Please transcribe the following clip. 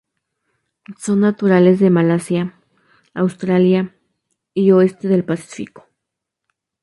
Son naturales de Malasia, Australia y oeste del Pacífico.